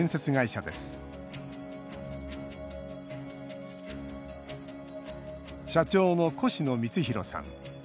社長の越野充博さん。